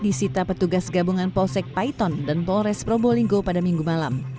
disita petugas gabungan polsek python dan polres pro bolinggo pada minggu malam